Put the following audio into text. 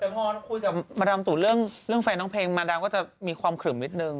แต่พอคุยกับมาดามตูดเรื่องแฟนน้องเพลงมาดามก็จะมีความขลึมนิดนึง